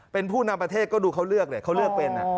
เป็นผู้นำประเทศก็ดูเขาเลือกเนี่ยเขาเลือกเป็น